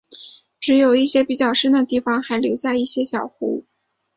只有一些比较深的地方还留下了一些小湖。